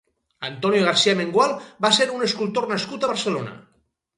Antonio García Mengual va ser un escultor nascut a Barcelona.